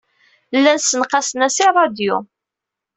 Llan ssenqasen-as i ṛṛadyu.